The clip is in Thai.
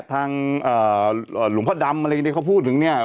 ทางหลวงพ่อดำเค้าพูดถึงเนี่ย